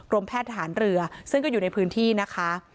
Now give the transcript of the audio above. แพทย์ทหารเรือซึ่งก็อยู่ในพื้นที่นะคะ